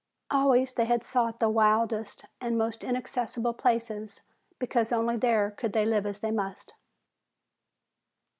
Always they had sought the wildest and most inaccessible places because only there could they live as they must.